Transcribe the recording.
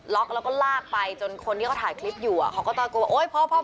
ล็อกแล้วก็ลากไปจนคนที่เขาถ่ายคลิปอยู่เขาก็ต้องกลัวว่า